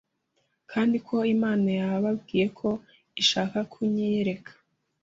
kandi ko Imana yababwiye ko ishaka kunyiyereka,